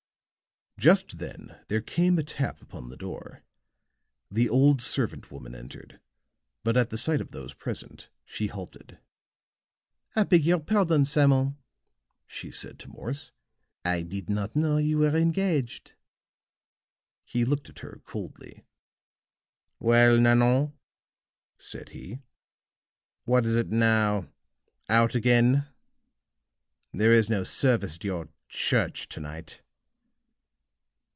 Just then there came a tap upon the door; the old servant woman entered, but at the sight of those present, she halted. "I beg your pardon, Simon," she said to Morse. "I did not know you were engaged." He looked at her coldly. "Well, Nanon," said he, "what is it now? Out again? There is no service at your church to night."